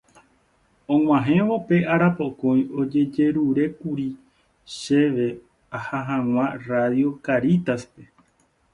Og̃uahẽjeývo pe arapokõi ojejerurékuri chéve aha hag̃ua Radio Cáritas-pe.